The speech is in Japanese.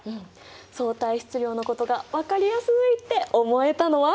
相対質量のことが分かりやすいって思えたのは？